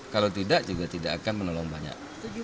kalau tidak juga tidak akan menolong banyak